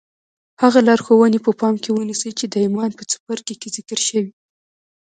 هغه لارښوونې په پام کې ونيسئ چې د ايمان په څپرکي کې ذکر شوې.